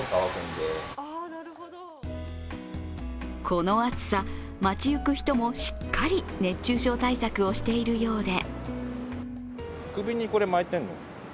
この暑さ、街行く人もしっかり熱中症対策をしているようで。